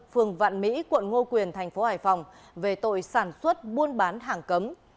phương vạn mỹ quận ngo quyền tp hải phòng về tội sản xuất buôn bán hàng cấm